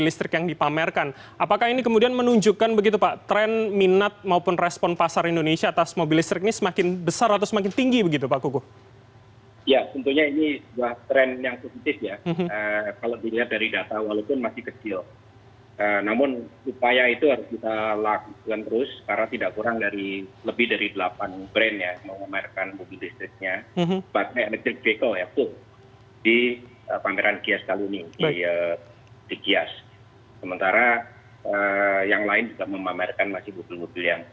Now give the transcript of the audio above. semakin besar atau semakin tinggi begitu pak kuku